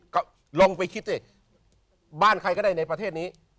ก็ลองไปคิดสิบ้านใครก็ได้ในประเทศนี้